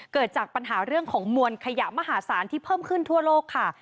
เกิดจากปัญหาเรื่องของมวลขยะมหาศาลที่เพิ่มขึ้นทั่วโลกค่ะ